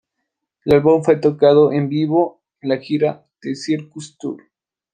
El álbum fue tocado en vivo en su gira The Circus Tour.